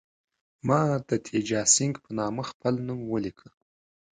ما د تیجاسینګه په نامه خپل نوم ولیکه.